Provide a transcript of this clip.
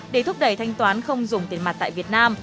để thúc đẩy thanh toán không dùng tiền mặt tại việt nam